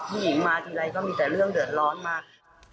ผู้หญิงมาทีไรก็มีแต่เรื่องเดือดร้อนมาก